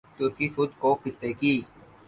ترکی خود کو خطے کی